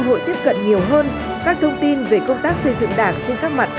hội tiếp cận nhiều hơn các thông tin về công tác xây dựng đảng trên các mặt